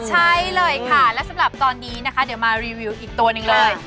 ใช่เลยค่ะและสำหรับตอนนี้นะคะเดี๋ยวมารีวิวอีกตัวหนึ่งเลย